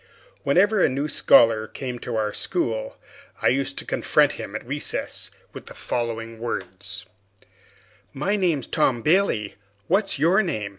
Whenever a new scholar came to our school, I used to confront him at recess with the following words: "My name's Tom Bailey; what's your name?"